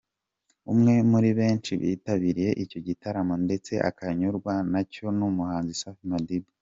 Umwe muri benshi bitabiriye icyo gitaramo ndetse akanyurwa na cyo ni umuhanzi Safi Madiba.